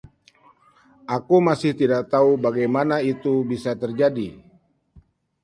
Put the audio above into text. Aku masih tidak tahu bagaimana itu bisa terjadi.